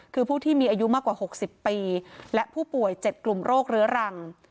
คือผู้ที่มีอายุมากกว่า๖๐ปีและผู้ป่วย๗กลุ่มโรคเรื้อรัง